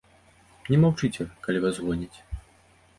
Не маўчыце, калі вас гоняць.